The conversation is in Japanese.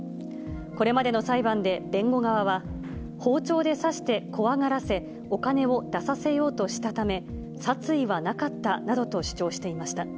これまでの裁判で弁護側は、包丁で刺して怖がらせ、お金を出させようとしたため、殺意はなかったなどと主張していました。